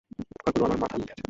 পোকাগুলো আমার মাথার মধ্যে আছে।